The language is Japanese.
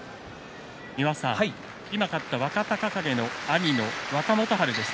今、勝った若隆景の兄の若元春です。